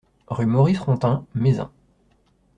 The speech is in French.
Rue Maurice Rontin, Mézin